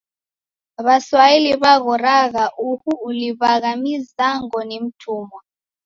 W'aswahili w'aghoragha uhu uliw'agha mizango ni mtumwa!